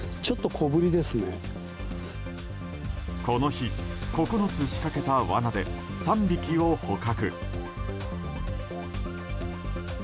この日、９つ仕掛けた罠で３匹を捕獲。